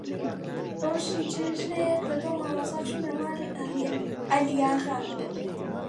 ڕۆژی جێژنەیەک لەگەڵ مامۆستا چووینە ماڵی عەلیاغا